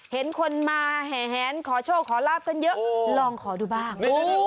เห็นคนมาแหนขอโชคขอลาบกันเยอะลองขอดูบ้าง